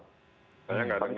saya nggak dengar ya